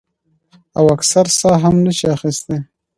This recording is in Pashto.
او اکثر ساه هم نشي اخستے ـ